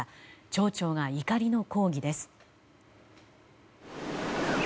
町長が怒りの抗議です。